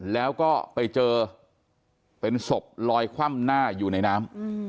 แล้วก็ไปเจอเป็นศพลอยคว่ำหน้าอยู่ในน้ำ